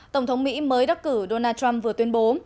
tổng thống mỹ mới đắc cử donald trump vừa tuyên bố